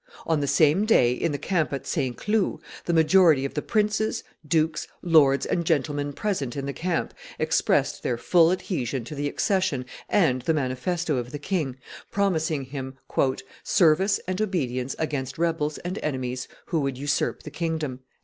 On the same day, in the camp at St. Cloud, the majority of the princes, dukes, lords, and gentlemen present in the camp expressed their full adhesion to the accession and the manifesto of the king, promising him "service and obedience against rebels and enemies who would usurp the kingdom."